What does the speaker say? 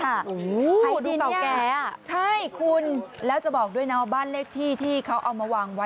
ให้ดูเก่าแก่อ่ะใช่คุณแล้วจะบอกด้วยนะว่าบ้านเลขที่ที่เขาเอามาวางไว้